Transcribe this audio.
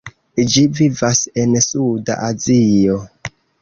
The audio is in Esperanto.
Ĝi vivas en Suda Azio.